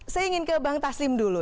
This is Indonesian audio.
saya ingin ke bang taslim dulu